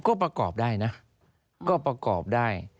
ก็ประกอบได้นะก็ประกอบได้